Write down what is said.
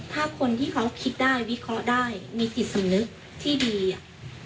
ถ้าคนที่เขาคิดได้วิเคราะห์ได้มีจิตสำนึกที่ดีอ่ะ